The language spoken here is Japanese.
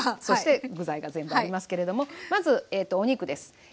そして具材が全部ありますけれどもまずお肉です。